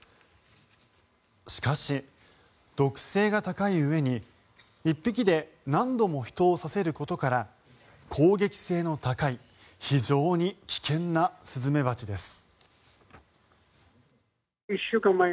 しかし、毒性が高いうえに１匹で何度も人を刺せることから攻撃性の高い非常に危険なスズメバチです。